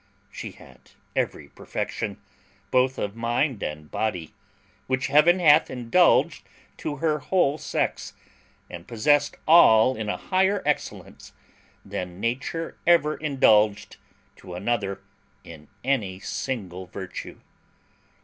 She had every perfection, both of mind and body, which Heaven hath indulged to her whole sex, and possessed all in a higher excellence than nature ever indulged to another in any single virtue.